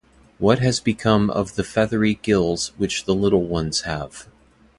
What has become of the feathery gills which the little ones have?